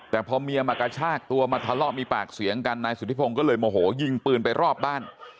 แต่พอเมียมากระชากตัวมาทะเลาะมีปากเสียงกันนายสุธิพงศ์ก็เลยโมโหยิงปืนไปรอบบ้าน